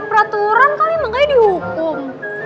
peraturan kali makanya dihukum